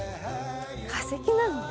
化石なのね。